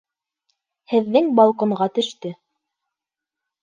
Һеҙҙең балконға төштө!